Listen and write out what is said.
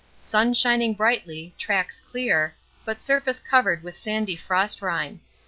Sun shining brightly, tracks clear, but surface covered with sandy frostrime.